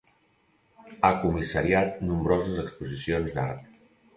Ha comissariat nombroses exposicions d'art.